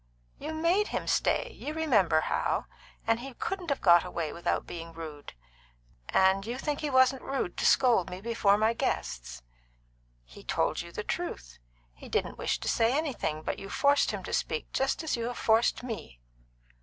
"You made him stay you remember how and he couldn't have got away without being rude." "And you think he wasn't rude to scold me before my guests?" "He told you the truth. He didn't wish to say anything, but you forced him to speak, just as you have forced me."